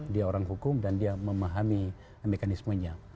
dia orang hukum dan dia memahami mekanismenya